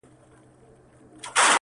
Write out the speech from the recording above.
ه ياره کندهار نه پرېږدم.